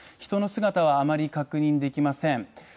人の姿はあまり確認できません。